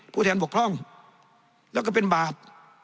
ผู้แทนบกพร่องแล้วก็เป็นบาป